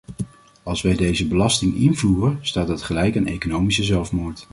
Als wij deze belasting invoeren, staat dat gelijk aan economische zelfmoord.